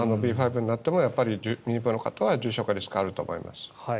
ＢＡ．５になっても妊婦の方は重症化リスクがあると思います。